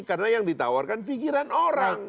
karena yang ditawarkan pikiran orang